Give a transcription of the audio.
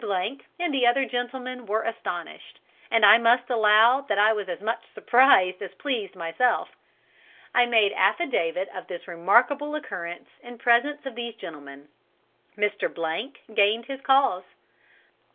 and the other gentlemen were astonished, and I must allow that I was as much surprised as pleased myself. I made affidavit of this remarkable occurrence in presence of these gentlemen. Mr. gained his cause.